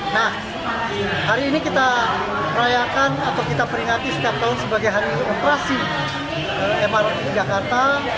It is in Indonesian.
nah hari ini kita peringati setiap tahun sebagai hari operasi mrt jakarta